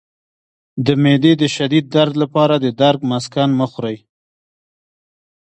د معدې د شدید درد لپاره د درد مسکن مه خورئ